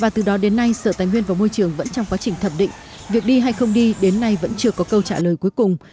từ đó đến nay sở tài nguyên và môi trường vẫn trong quá trình thẩm định việc đi hay không đi đến nay vẫn chưa có câu trả lời cuối cùng